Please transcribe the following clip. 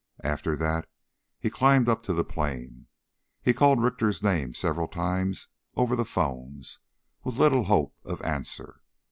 After that he climbed up to the plain. He called Richter's name several times over the phones, with little hope of answer.